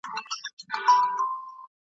شاوخوا پر طبیبانو ګرځېدله !.